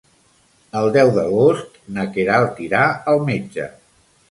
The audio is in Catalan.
El deu d'agost na Queralt irà al metge.